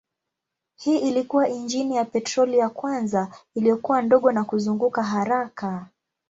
Hii ilikuwa injini ya petroli ya kwanza iliyokuwa ndogo na kuzunguka haraka.